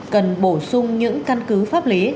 cần bổ sung những căn cứ pháp lý